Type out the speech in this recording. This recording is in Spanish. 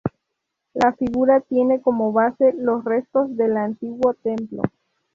La figura tiene como base los restos del antiguo templo.